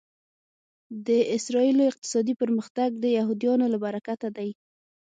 د اسرایلو اقتصادي پرمختګ د یهودیانو له برکته دی